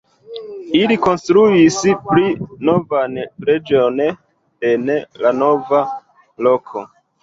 Ili konstruis pli novan preĝejon en la nova loko.